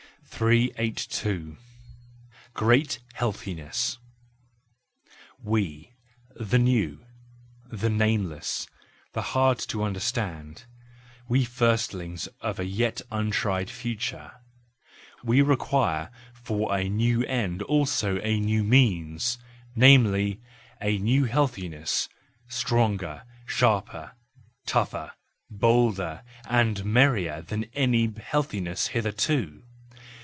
. 382. Great Healthiness .— We, the new, the name¬ less, the hard to understand, we firstlings of a yet untried future—we require for a new end also a new means, namely, a new healthiness, stronger, sharper, tougher, bolder and merrier than any healthiness hitherto.